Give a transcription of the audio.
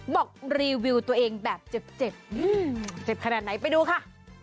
บอกรีวิวตัวเองแบบเจ็บเจ็บขนาดไหนไปดูค่ะ